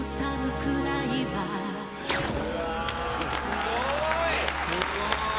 すごい。